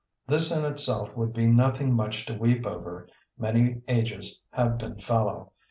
This in itself would be nothing much to weep over; many ages have been fallow.